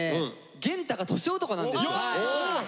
元太が年男なんですよ。